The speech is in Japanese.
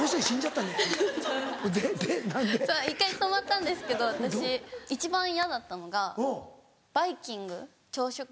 １回泊まったんですけど私一番嫌だったのがバイキング朝食の。